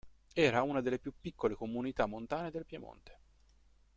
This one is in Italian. Era una delle più piccole comunità montane del Piemonte.